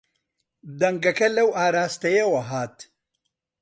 دەنگەکە لەو ئاراستەیەوە هات.